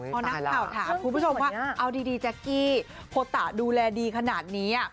พอนักข่าวถามคุณผู้ชมว่าเอาดีแจ๊กกี้โคตะดูแลดีขนาดนี้